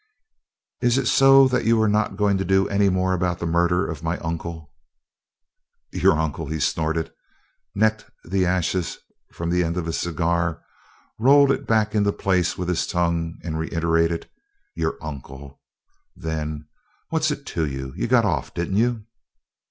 "Is it so that you are not going to do any more about the murder of my uncle?" "Your uncle!" he snorted, necked the ashes from the end of his cigar, rolled it back into place with his tongue and reiterated: "Your uncle!" Then: "What's it to you? You got off, didn't you?"